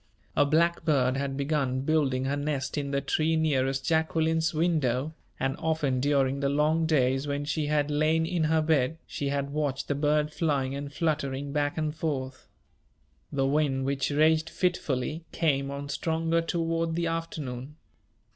A blackbird had begun building her nest in the tree nearest Jacqueline's window; and often, during the long days when she had lain in her bed, she had watched the bird flying and fluttering back and forth. The wind, which raged fitfully, came on stronger toward the afternoon.